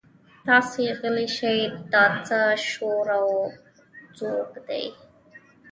تاسې غلي شئ دا څه شور او ځوږ دی.